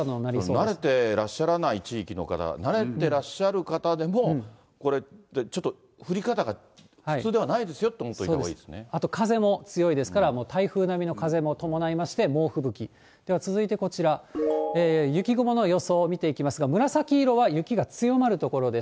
慣れてらっしゃらない地域の方、慣れてらっしゃる方でも、これ、ちょっと降り方が普通ではないですよと思っておいたほうがいいであと風も強いですから、もう台風並みの風も伴いまして、猛吹雪、では続いてこちら、雪雲の予想を見ていきますが、紫色は雪が強まる所です。